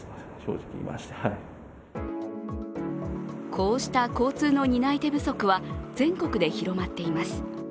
こうした交通の担い手不足は全国で広まっています。